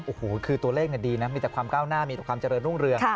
โอ้โหคือตัวเลขดีนะมีแต่ความก้าวหน้ามีแต่ความเจริญรุ่งเรือง